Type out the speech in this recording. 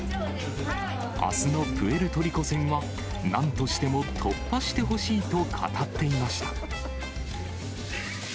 あすのプエルトリコ戦は、なんとしても突破してほしいと語っていました。